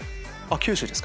九州です。